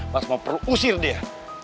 pas mau perlu usir dia